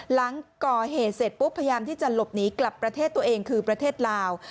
หลังก่อเหตุเสร็จปุ๊บพยายามที่จะหลบหนีกลับประเทศตัวเองคือประเทศลาว